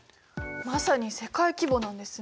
まさに世界規模なんですね。